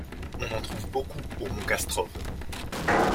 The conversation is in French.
On en trouve beaucoup au mont Castrove.